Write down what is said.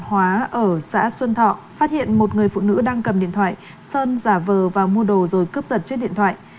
hóa ở xã xuân thọ phát hiện một người phụ nữ đang cầm điện thoại sơn giả vờ vào mua đồ rồi cướp giật chiếc điện thoại